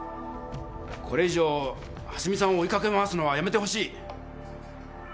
これ以上蓮見さんを追いかけ回すのはやめてほしい。